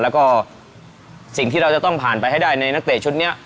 แล้วก็สิ่งที่เราจะต้องผ่านไปให้ได้ในนักเตะชุดนี้